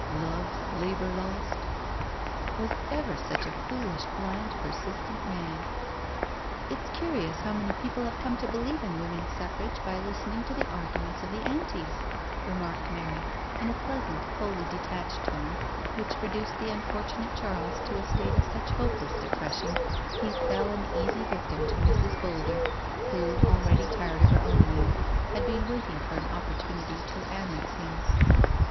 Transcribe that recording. "Love's labour lost?" Was ever such a foolish, blind, persistent man I " It's curious how many people have come to believe in Woman's Suffrage by listening to the arguments of the Antis,'* remarked Mary, in a pleasant wholly de tached tonej which reduced the unfortunate Charles to a state of such hopeless depression he fell an easy victim to Mrs. Boulder, who, already tired of her own man, had been waiting for an opportunity to annex him.